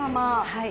はい。